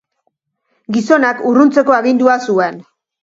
Gizonak urruntzeko agindua zuen.